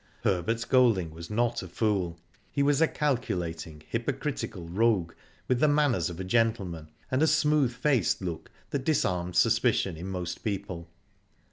Herbert Golding was not a fool. He was a cal culating, hypocritical rogue with the manners of a gentleman, and a smooth faced look that dis armed suspicion in most people.